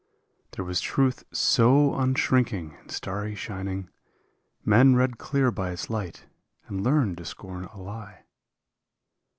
There was truth so unshrinking and starry shining, Men read clear by its light and learned to scorn a lie.